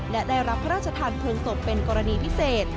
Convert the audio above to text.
และได้รับพระราชทานเพลิงศพเป็นกรณีพิเศษ